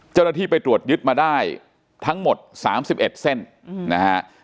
เจ้าหน้าที่ไปตรวจยึดมาได้ทั้งหมด๓๑เส้นนะฮะ